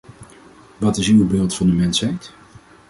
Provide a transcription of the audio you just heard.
Wat is uw beeld van de mensheid?